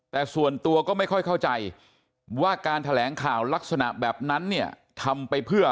แต่ส่วนตัวก็ไม่ค่อยเข้าใจว่าการแถลงข่าวลักษณะแบบนั้นเนี่ยทำไปเพื่อ